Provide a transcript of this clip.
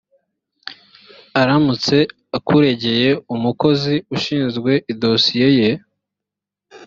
aramutse akuregeye umukozi ushinzwe idosiye ye